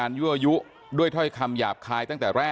โคศกรรชาวันนี้ได้นำคลิปบอกว่าเป็นคลิปที่ทางตำรวจเอามาแถลงวันนี้นะครับ